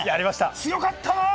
強かったな！